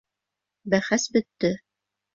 Бәхәс бөттө.